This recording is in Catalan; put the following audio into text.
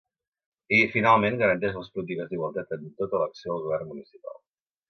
I, finalment, garanteix les polítiques d’igualtat en tota l’acció del govern municipal.